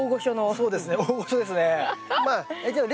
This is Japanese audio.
そうですね。